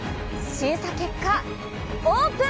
審査結果、オープン。